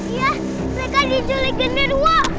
iya mereka di julek genderwo